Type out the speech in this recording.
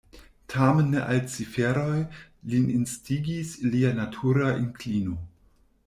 Tamen ne al ciferoj lin instigis lia natura inklino.